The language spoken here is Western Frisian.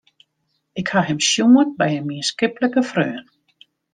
Ik ha him sjoen by in mienskiplike freon.